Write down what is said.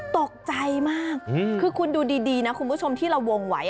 ตกใจมากคือคุณดูดีนะคุณผู้ชมที่เราวงไว้